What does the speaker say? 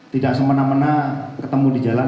tidak semena mena ketemu di jalan